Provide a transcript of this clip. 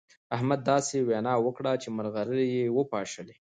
احمد داسې وينا وکړه چې مرغلرې يې وپاشلې.